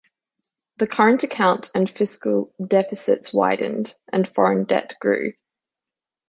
The current account and fiscal deficits widened, and foreign debt grew.